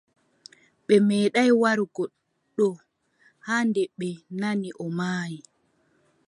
Ɓe meeɗaay warugo ɗo haa nde ɓe nani o maayi.